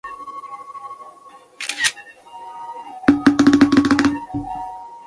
同源词大抵可以说是一种针对汉字的历史发展研究的方法。